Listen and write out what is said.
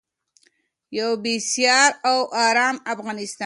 یو بسیا او ارام افغانستان.